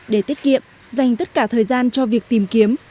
để tiết kiệm dành tất cả thời gian cho việc tìm kiếm